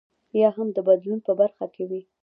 یا هم د بدلون په برخه کې وي.